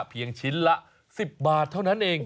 ชิ้นละ๑๐บาทเท่านั้นเอง